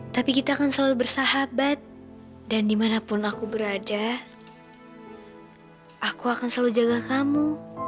tapi kita akan selalu bersahabat dan dimanapun aku berada aku akan selalu jaga kamu